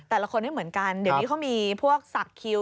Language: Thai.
แต่ละคนไม่เหมือนกันเดี๋ยวนี้เขามีพวกสักคิว